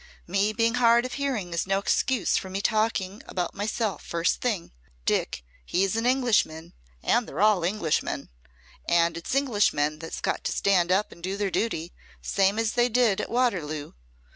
"Me being hard of hearing is no excuse for me talking about myself first thing. Dick, he's an Englishman and they're all Englishmen and it's Englishmen that's got to stand up and do their duty same as they did at Waterloo."